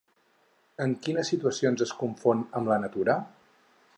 En quines situacions es confon amb la natura?